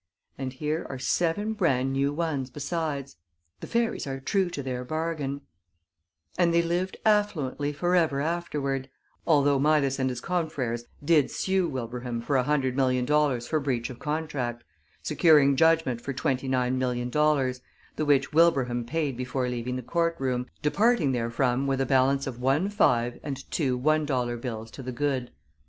"And here are seven brand new ones besides. The fairies are true to their bargain." [Illustration: WILBRAHAM PAID BEFORE LEAVING THE COURT ROOM] And they lived affluently forever afterward, although Midas and his confrères did sue Wilbraham for a hundred million dollars for breach of contract, securing judgment for twenty nine million dollars, the which Wilbraham paid before leaving the court room, departing therefrom with a balance of one five and two one dollar bills to the good.